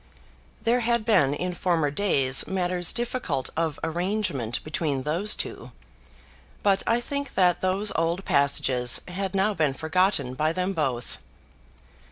There had been in former days matters difficult of arrangement between those two; but I think that those old passages had now been forgotten by them both.